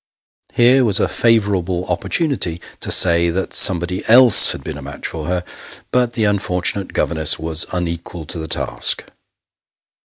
Here was a favourable opportunity to say that somebody else had been a match for her. But the unfortunate governess was unequal to the task.